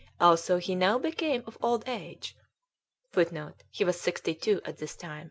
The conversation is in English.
Also he now became of old age,[Footnote: He was sixty two at this time.